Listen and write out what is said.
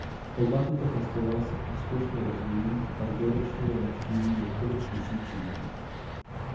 Oba tyto festivaly se úspěšně rozvíjejí a každoročně je navštíví několik tisíc lidí.